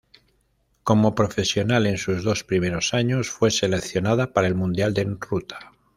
Como profesional, en sus dos primeros años fue seleccionada para el Mundial en Ruta.